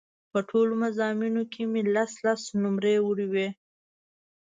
په ټولو مضامینو کې مې لس لس نومرې وړې وې.